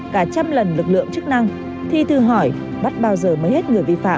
cả trăm lần lực lượng chức năng thì thư hỏi bắt bao giờ mới hết người vi phạm